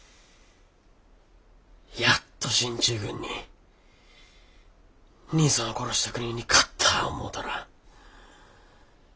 やっと進駐軍に兄さんを殺した国に勝った思うたら。